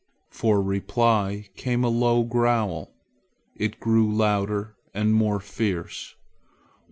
For reply came a low growl. It grew louder and more fierce.